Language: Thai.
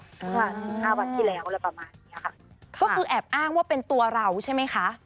เมื่อถึงห้าวันที่แล้วอะไรประมาณเนี้ยค่ะก็คือแอบอ้างว่าเป็นตัวเราใช่ไหมคะ